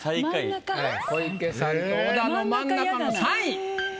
小池さんと小田の真ん中の３位。